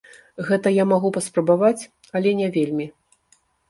Гэта я магу паспрабаваць, але не вельмі.